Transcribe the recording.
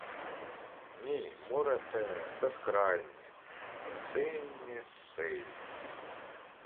Ні море те безкрає — синє-синє!